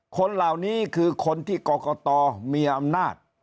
คนเหล่านี้คือคนที่กรกตมีอำนาจ